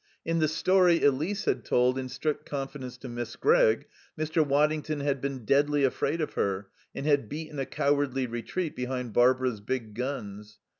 In the story Elise had told in strict confidence to Miss Gregg, Mr. Waddington had been deadly afraid of her and had beaten a cowardly retreat behind Barbara's big guns.